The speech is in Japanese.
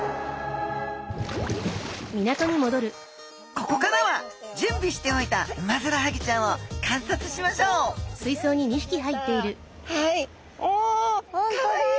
ここからはじゅんびしておいたウマヅラハギちゃんを観察しましょうはい！おかわいい。